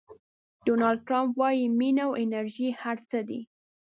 ډونالډ ټرمپ وایي مینه او انرژي هر څه دي.